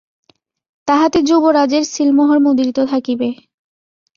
তাহাতে যুবরাজের সীলমোহর মুদ্রিত থাকিবে।